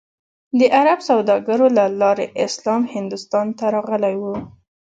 د عرب سوداګرو له لارې اسلام هندوستان ته راغلی و.